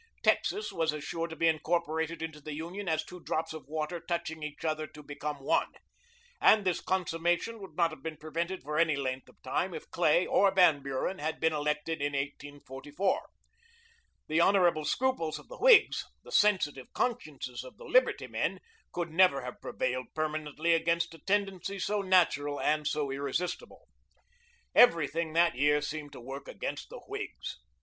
Texas was as sure to be incorporated into the Union as are two drops of water touching each other to become one; and this consummation would not have been prevented for any length of time if Clay or Van Buren had been elected in 1844. The honorable scruples of the Whigs, the sensitive consciences of the "Liberty" men, could never have prevailed permanently against a tendency so natural and so irresistible. Everything that year seemed to work against the Whigs.